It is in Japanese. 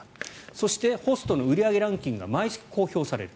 そして、ホストの売り上げランキングが毎月公表される。